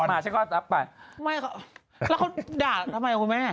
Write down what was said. ไม่ค่ะแล้วเขาด่าทำไมครับคุณแม่